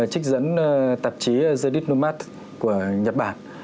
trích dẫn tạp chí jadid nomad của nhật bản